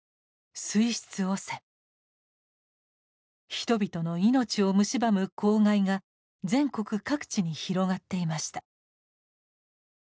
人々の命をむしばむ公害が全国各地に広がっていました。